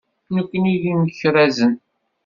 Nekkni d imekrazen.